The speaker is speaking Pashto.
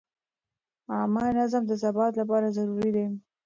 عامه نظم د ثبات لپاره ضروري دی.